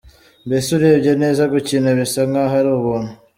Mbese urebye neza gukina bisa nkaho ari ubuntu.